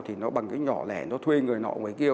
thì nó bằng cái nhỏ lẻ nó thuê người nọ người kia